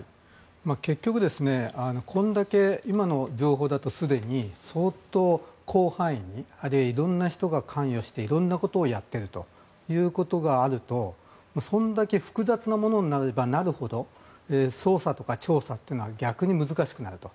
結局、こんだけ今の情報だとすでに相当、広範囲にあるいは色んな人が関与して色んなことをやっているということがあるとそれだけ複雑なものになればなるほど捜査とか調査というのは逆に難しくなると。